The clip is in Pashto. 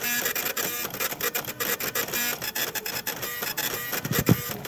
تولید یې د ټول نړیوال مارکېټ تقاضا په پرتله ډېر وو.